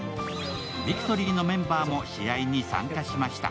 ビクトリーのメンバーも試合に参加しました。